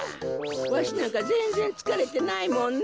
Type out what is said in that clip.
わしなんかぜんぜんつかれてないもんね。